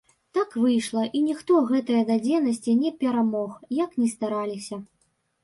Так выйшла, і ніхто гэтае дадзенасці не перамог, як ні стараліся.